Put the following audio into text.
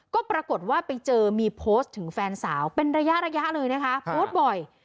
ก็ปรากฏว่าไปเจอมีโพสต์ถึงแฟนสาวเป็นระยะระยะเลยนะคะโพสต์บ่อย